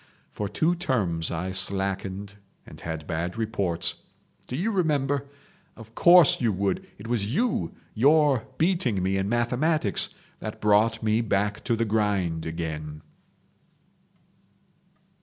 For two terms I slackened and had bad reports. Do you remember? Of course you would! It was you—your beating me in mathematics that brought me back to the grind again."